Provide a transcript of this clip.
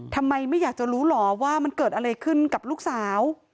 ทำไมไม่อยากจะรู้เหรอว่ามันเกิดอะไรขึ้นกับลูกสาว